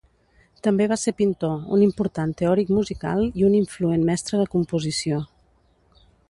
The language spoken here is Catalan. També va ser pintor, un important teòric musical i un influent mestre de composició.